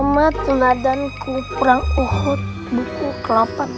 masa santri yang di belakang